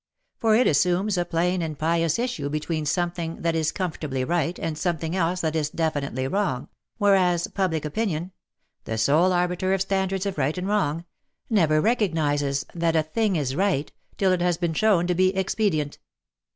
For it assumes a plain and pious issue between something that is comfortably right and some thing else that is definitely wrong, whereas public opinion — the sole arbiter of standards of right and wrong — never recognizes that a thing is right till it has been shown to be expedient.